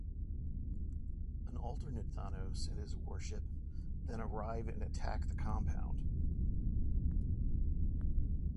An alternate Thanos and his warship then arrive and attack the Compound.